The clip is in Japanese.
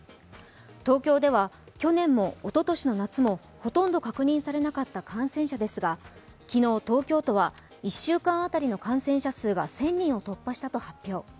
東京では去年もおととしの夏もほとんど確認されなかった感染者ですが、昨日、東京都は１週間当たりの感染者数が１０００人を突破したと発表。